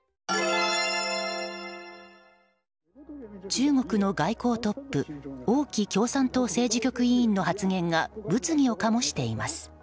中国の外交トップ王毅共産党政治局委員の発言が物議を醸しています。